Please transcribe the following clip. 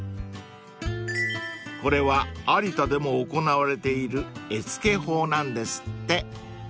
［これは有田でも行われている絵付け法なんですって］